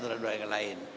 terhadap yang lain